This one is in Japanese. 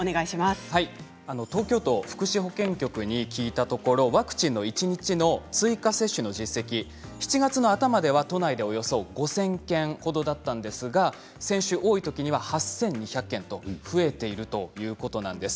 東京都福祉保健局に聞いたところワクチンの一日の追加接種の実績７月の頭では都内で５０００件ほどだったんですが先週多いときには８２００件と増えているということなんです。